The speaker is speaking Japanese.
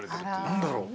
何だろう。